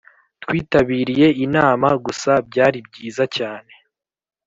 Twitabiriye inama gusa byari byiza cyane